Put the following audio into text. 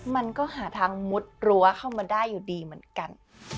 มันก็หาทางมุดรั้วเข้ามาได้อยู่ดีเหมือนกัน